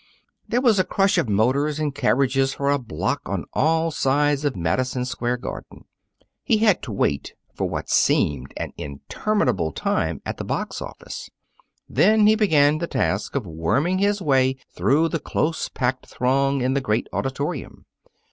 There was a crush of motors and carriages for a block on all sides of Madison Square Garden. He had to wait for what seemed an interminable time at the box office. Then he began the task of worming his way through the close packed throng in the great auditorium.